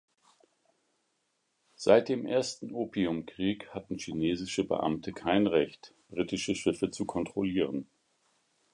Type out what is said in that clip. Seit dem Ersten Opiumkrieg hatten chinesische Beamte kein Recht, britische Schiffe zu kontrollieren.